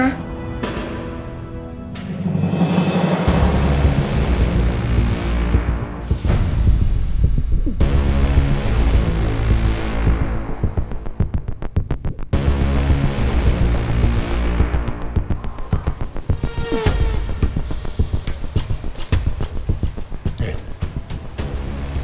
yangnya pain banget